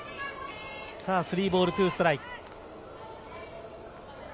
スリーボール、ツーストライク。